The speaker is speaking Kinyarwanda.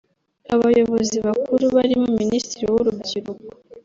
Abayobozi bakuru barimo Minisitiri w’urubyiruko